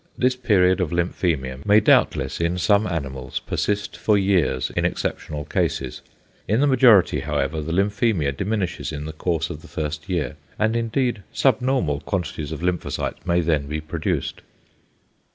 This period of lymphæmia may doubtless in some animals persist for years in exceptional cases; in the majority, however, the lymphæmia diminishes in the course of the first year, and indeed subnormal quantities of lymphocytes may then be produced.